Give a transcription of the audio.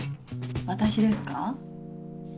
私ですか？